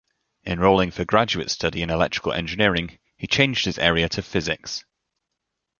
Enrolling for graduate study in electrical engineering, he changed his area to physics.